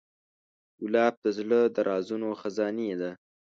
ګلاب د زړه د رازونو خزانې ده.